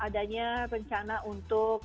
adanya rencana untuk